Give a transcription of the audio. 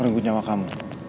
merenggut nyawa kamu